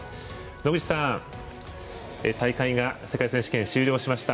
野口さん、大会が世界選手権終了しました。